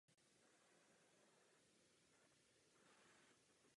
Proslul vynálezem disketové mechaniky počítače.